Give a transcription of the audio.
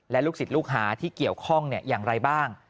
และลูกศิษย์ลูกหาที่เกี่ยวข้องอย่างไรบ้าง